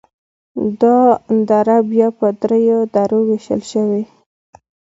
دا دره بیا په دریو درو ویشل شوي: